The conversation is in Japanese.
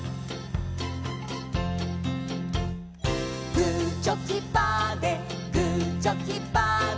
「グーチョキパーでグーチョキパーで」